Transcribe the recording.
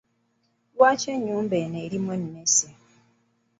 Lwaki ennyuba eno erimu emmese?